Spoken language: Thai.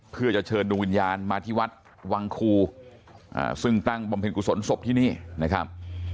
เพื่อจะเชิญดวงวิญญาณมาที่วัดวังคูซึ่งตั้งบำเพ็ญกุศลศพที่นี่นะครับ